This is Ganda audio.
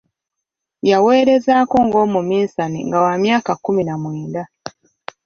Yaweerezaako ng'omuminsani nga wa myaka kkumi na mwenda.